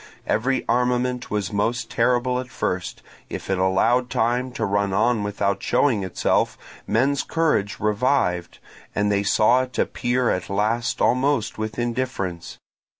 Every armament was most terrible at first; if it allowed time to run on without showing itself, men's courage revived, and they saw it appear at last almost with indifference.